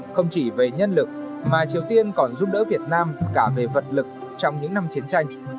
không chỉ về nhân lực mà triều tiên còn giúp đỡ việt nam cả về vật lực trong những năm chiến tranh